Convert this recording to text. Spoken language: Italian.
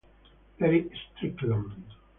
Erick Strickland